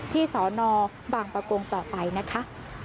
สนบางประกงต่อไปนะคะ